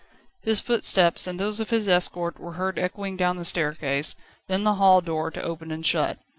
His footsteps and those of his escort were heard echoing down the staircase, then the hall door to open and shut.